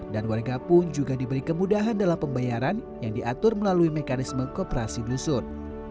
dan warga pun juga diberi kemudahan dalam pembayaran yang diatur melalui mekanisme kooperasi dusun